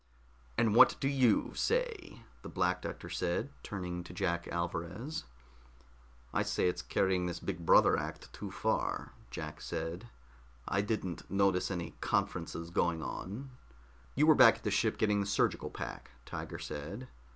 "And what do you say?" the Black Doctor said, turning to Jack Alvarez. "I say it's carrying this big brother act too far," Jack said. "I didn't notice any conferences going on." "You were back at the ship getting the surgical pack," Tiger said.